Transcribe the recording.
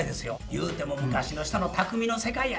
ゆうても昔の人のたくみの世界や。